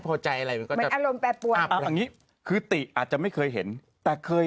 พลิกต๊อกเต็มเสนอหมดเลยพลิกต๊อกเต็มเสนอหมดเลย